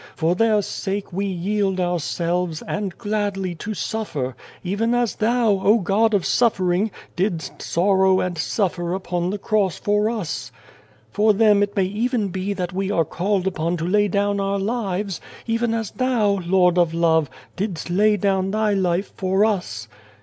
For their sake we 295 A World Without a Child yield ourselves, and gladly, to suffer, even as Thou, O God of suffering, didst sorrow and suffer upon the Cross for us. " For them it may even be that we are called upon to lay down our lives ; even as Thou, Lord of Love, didst lay down Thy life for us.